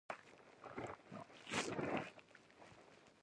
پړانګ د غږونو د اورېدو قوي حس لري.